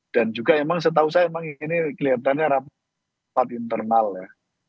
dan juga memang setahu saya ini kelihatannya rapat internal ya